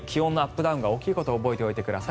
ダウンが大きいことも覚えておいてください。